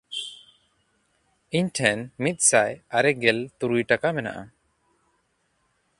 ᱤᱧ ᱴᱷᱮᱱ ᱢᱤᱫᱥᱟᱭ ᱟᱨᱮ ᱜᱮᱞ ᱛᱩᱨᱩᱭ ᱴᱟᱠᱟ ᱢᱮᱱᱟᱜᱼᱟ᱾